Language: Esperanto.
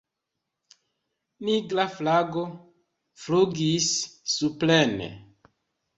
Nigra flago flugis supren.